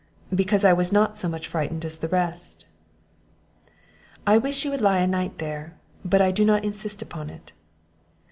"Because I was not so much frightened as the rest." "I wish you would lie a night there; but I do not insist upon it."